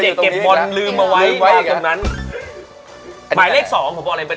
เด็กเก็บบอลมันวางลืมไว้